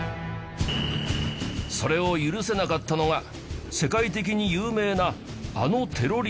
それを許せなかったのが世界的に有名なあのテロリスト